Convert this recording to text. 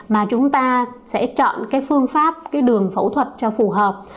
mà chúng ta sẽ chọn cái phương pháp cái đường phẫu thuật cho phù hợp